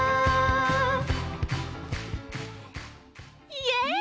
イエーイ！